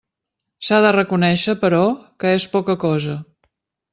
S'ha de reconéixer, però, que és poca cosa.